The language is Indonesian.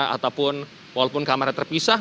ataupun walaupun kamarnya terpisah